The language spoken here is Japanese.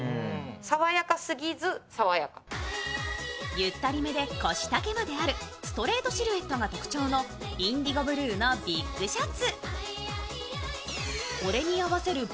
ゆったりめで腰丈まであるストレートシルエットが特徴のインディゴブルーのビッグシャツ。